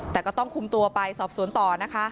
แต่ก็ต้องคุมตัวไปสอบสวนต่อนะคะ